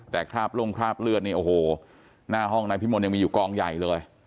แต่คราบล่งคราบเลือดนี่โอ้โหหน้าห้องนายพิมลยังมีอยู่กองใหญ่เลย